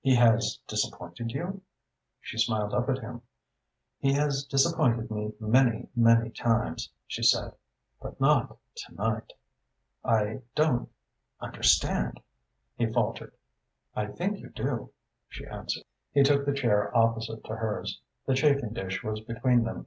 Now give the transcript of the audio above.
"He has disappointed you?" She smiled up at him. "He has disappointed me many, many times," she said, "but not to night." "I don't understand," he faltered. "I think you do," she answered. He took the chair opposite to hers. The chafing dish was between them.